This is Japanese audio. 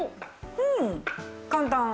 うん簡単。